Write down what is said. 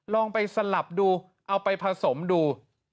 ลองไปสลับดูเอาไปผสมดู